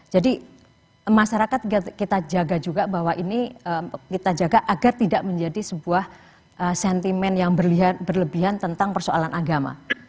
jadi masyarakat kita jaga juga bahwa ini kita jaga agar tidak menjadi sebuah sentimen yang berlebihan tentang persoalan agama